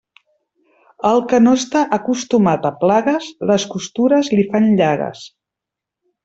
El que no està acostumat a plagues, les costures li fan llagues.